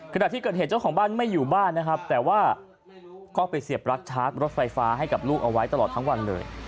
ขณะที่เกิดเหตุเจ้าของบ้านไม่อยู่บ้านนะครับแต่ว่าก็ไปเสียบรักชาร์จรถไฟฟ้าให้กับลูกเอาไว้ตลอดทั้งวันเลย